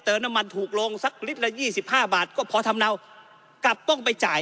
เติมน้ำมันถูกลงสักลิตละยี่สิบห้าบาทก็พอทำเนากลับต้องไปจ่าย